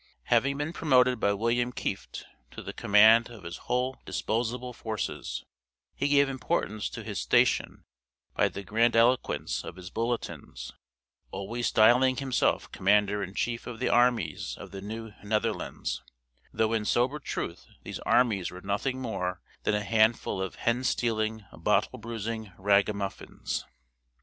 Having been promoted by William Kieft to the command of his whole disposable forces, he gave importance to his station by the grandiloquence of his bulletins, always styling himself Commander in Chief of the Armies of the New Netherlands; though in sober truth these Armies were nothing more than a handful of hen stealing, bottle bruising ragamuffins.